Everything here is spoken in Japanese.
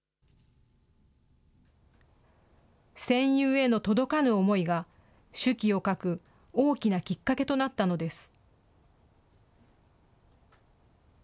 戦友への届かぬ思いが、手記を書く大きなきっかけとなったのです。